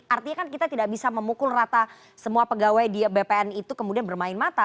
artinya kan kita tidak bisa memukul rata semua pegawai di bpn itu kemudian bermain mata